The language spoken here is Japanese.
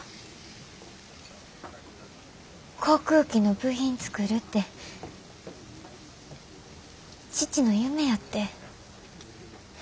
航空機の部品作るて父の夢やって。